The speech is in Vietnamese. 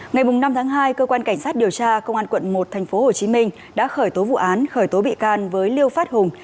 ngày năm tháng hai cơ quan cảnh sát điều tra công an quận một tp hcm đã khởi tố vụ án khởi tố bị can với liêu phát hùng